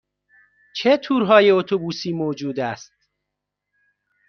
چه تورهای اتوبوسی موجود است؟